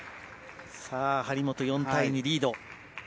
張本、４対２リード。